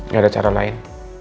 gak ada cara lain